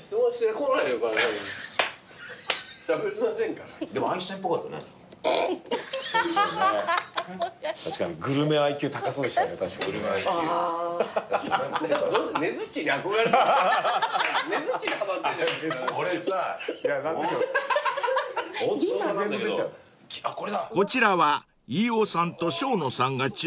［こちらは飯尾さんと生野さんが注文した］